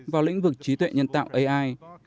vào lĩnh vực trí tuệ nhân tạo ai